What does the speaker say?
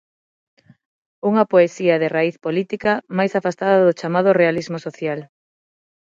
Unha poesía de "raíz política", mais afastada do chamado realismo social.